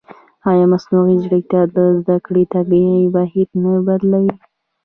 ایا مصنوعي ځیرکتیا د زده کړې طبیعي بهیر نه بدلوي؟